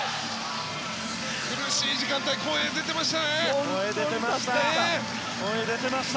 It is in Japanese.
苦しい時間帯声出てましたね。